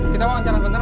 kita mau ancara sebentar